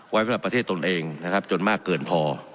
ไว้สำหรับประเทศตนเองนะครับจนมากเกินพอ